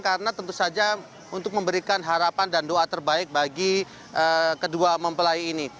karena tentu saja untuk memberikan harapan dan doa terbaik bagi kedua mempelai ini